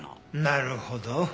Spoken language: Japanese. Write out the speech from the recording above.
なるほど。